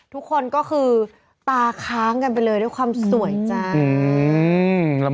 ทุกคนก็คือตาค้างกันไปเลยด้วยความสวยจ้า